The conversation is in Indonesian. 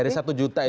dari satu juta itu